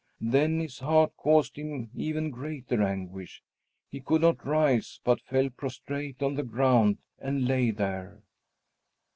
Then his heart caused him even greater anguish. He could not rise, but fell prostrate on the ground and lay there.